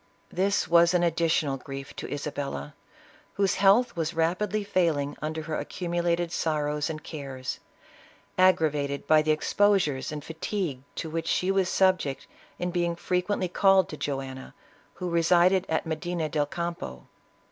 This was an additional grief to Isabella, whose health was rapidly failing under her accumulated sorrows and cares, aggravated by the exposures and fatigue to which she was subject in being frequently called to Joanna, who resided at Medina del Campo.